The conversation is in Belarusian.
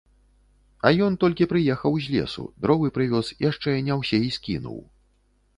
А ён толькі прыехаў з лесу, дровы прывёз, яшчэ не ўсе і скінуў.